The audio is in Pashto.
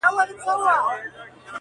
• د یوویشتمي پېړۍ په درېیمه لسیزه کي -